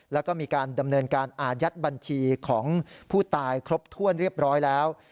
แล้วก็มีการดำเนินการอายัดบัญชีของผู้ตายครบถ้วนเรียบร้อยแล้ว